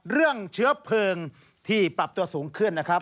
เรื่องเชื้อเพลิงที่ปรับตัวสูงขึ้นนะครับ